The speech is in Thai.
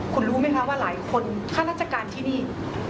คุณรู้ไหมคะว่าหลายคนข้าราชการที่นี่